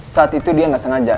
saat itu dia nggak sengaja